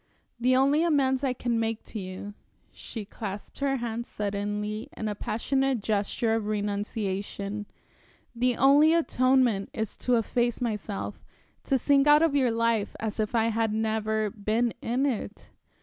The only amends I can make to you" she clasped her hands suddenly in a passionate gesture of renunciation "the only atonement is to efface myself, to sink out of your life as if I had never been in it."